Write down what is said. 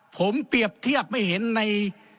ผมเปรียบเทียบไม่เห็นใน